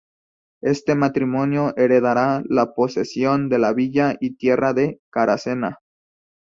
Este matrimonio heredará la posesión de la Villa y Tierra de Caracena.